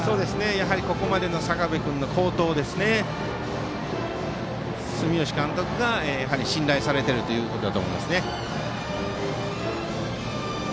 ここまでの坂部君の好投を住吉監督が信頼されているということだと思います。